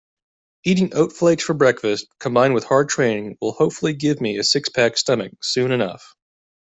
Eating oat flakes for breakfast combined with hard training will hopefully give me a six-pack stomach soon enough.